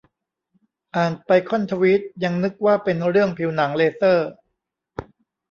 อ่านไปค่อนทวีตยังนึกว่าเป็นเรื่องผิวหนัง เลเซอร์